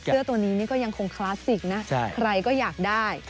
เสื้อตัวนี้ก็ยังค่ว่าคลาสสิคใครก็อยากได้